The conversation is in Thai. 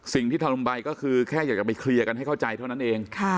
สิ่งที่ทำลงไปก็คือแค่อยากจะไปเคลียร์กันให้เข้าใจเท่านั้นเอง